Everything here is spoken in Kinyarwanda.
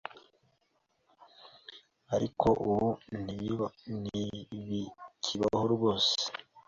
ariko ubu ntibikibaho rwose